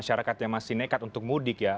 masyarakat yang masih nekat untuk mudik ya